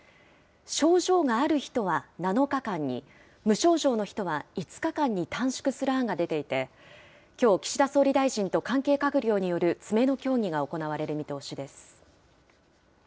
症状がある人は７日間に、無症状の人は５日間に短縮する案が出ていて、きょう岸田総理大臣と関係閣僚による詰めの協議が行われる見通しです。